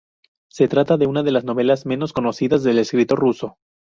Se trata de una de las novelas menos conocidas del escritor ruso.